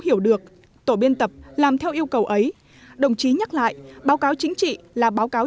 hiểu được tổ biên tập làm theo yêu cầu ấy đồng chí nhắc lại báo cáo chính trị là báo cáo